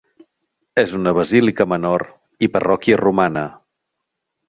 És una basílica menor i parròquia romana.